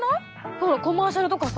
ほらコマーシャルとかさ。